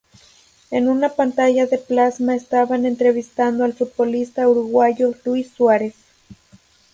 En una pantalla de plasma estaban entrevistando al futbolista uruguayo Luis Suárez.